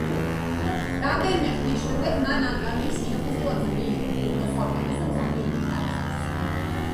რამდენიმე ხნის შემდეგ მან ანტალიის კინოფესტივალზე მიიღო ჯილდო საუკეთესო მსახიობი ქალისთვის.